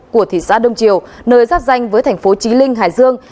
của thị xã đông triều nơi giáp danh với thành phố trí linh hải dương